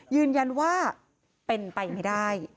ยืนยันว่าเป็นไปไม่ได้